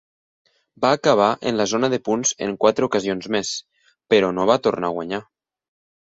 Va acabar en la zona de punts en quatre ocasions més, però no va tornar a guanyar.